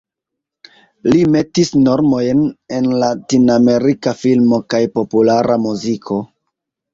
Li metis normojn en latinamerika filma kaj populara muziko.